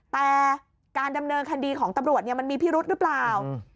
แต่การดำเนินคดีของตำรวจมันมีพิรุธหรือเปล่า